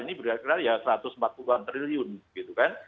sebenarnya satu ratus empat puluh triliun gitu kan